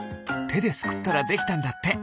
てですくったらできたんだって。